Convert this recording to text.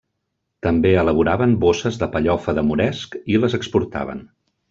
També elaboraven bosses de pellofa de moresc i les exportaven.